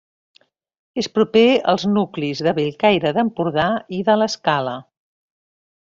És proper als nuclis de Bellcaire d'Empordà i de l'Escala.